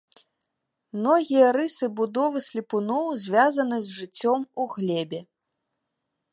Многія рысы будовы слепуноў звязаны з жыццём у глебе.